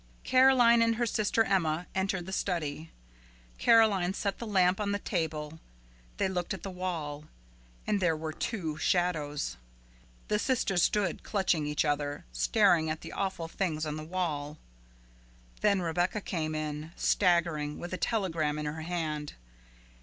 Caroline and her sister Emma entered the study. Caroline set the lamp on the table. They looked at the wall, and there were two shadows. The sisters stood clutching each other, staring at the awful things on the wall. Then Rebecca came in, staggering, with a telegram in her hand.